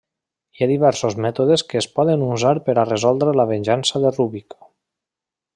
Hi ha diversos mètodes que es poden usar per a resoldre La Venjança de Rubik.